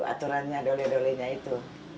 aturannya dole dole nya itu